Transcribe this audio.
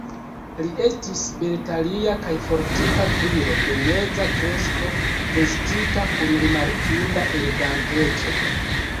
Li estis beltalia kaj fortika viro de meza kresko, vestita kun rimarkinda eleganteco.